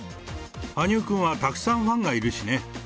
羽生君はたくさんファンがいるしね。